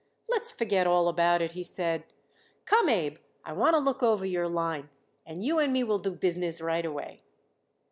"Let's forget all about it," he said. "Come, Abe, I want to look over your line, and you and me will do business right away."